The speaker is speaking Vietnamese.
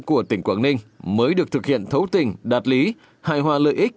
của tỉnh quảng ninh mới được thực hiện thấu tình đạt lý hài hòa lợi ích